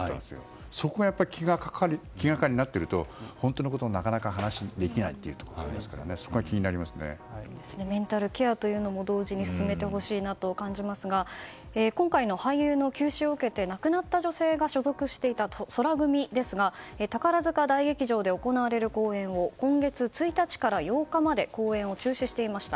そこが気がかりになっていると本当のことをなかなか話ができないところがありますからメンタルケアというのも同時に進めてほしいなと感じますが今回の俳優の急死を受けて亡くなった女性が所属していた宙組ですが宝塚大劇場で行われる公演を今月１日から８日まで公演を中止していました。